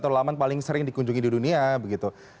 atau laman paling sering dikunjungi di dunia begitu